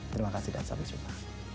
terima kasih dan sampai jumpa